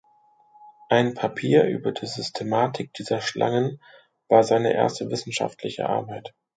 Ein Papier über die Systematik dieser Schlangen war seine erste wissenschaftliche Arbeit.